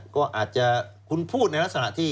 ก็อาจจะคุณพูดในลักษณะที่